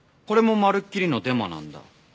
これもまるっきりのデマなんだ。